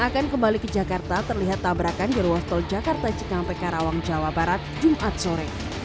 akan kembali ke jakarta terlihat tabrakan di ruas tol jakarta cikampek karawang jawa barat jumat sore